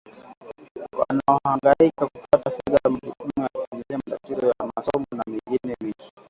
wanaohangaika kupata fedha majukumu ya kifamilia matatizo ya masomo na mengine mengi